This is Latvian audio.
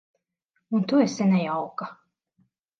Un tu esi nejauka.